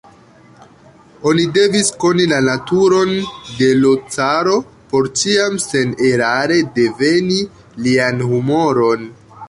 Oni devis koni la naturon de l' caro, por ĉiam senerare diveni lian humoron.